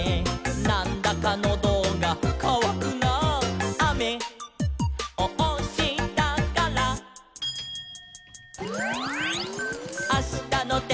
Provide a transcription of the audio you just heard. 「『なんだかノドがかわくなあ』」「あめをおしたから」「あしたのてんきは」